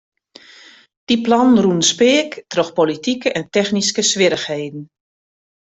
Dy plannen rûnen speak troch politike en technyske swierrichheden.